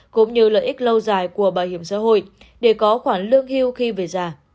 cũng như lợi ích lâu dài của bảo hiểm xã hội để có khoản lương hưu khi về già